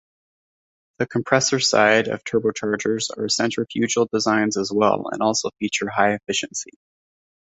The compressor-side of turbochargers are centrifugal designs as well, and also feature high efficiency.